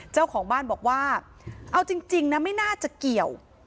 เจ้าของบ้านบอกว่าเอาจริงนะไม่น่าจะเกี่ยว